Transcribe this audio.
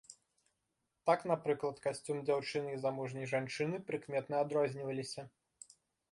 Так напрыклад касцюм дзяўчыны і замужняй жанчыны прыкметна адрозніваліся.